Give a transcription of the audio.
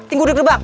tunggu di gerbang